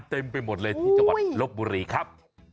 เต็มไปหมดเลยที่จังหวัดลบบุรีครับ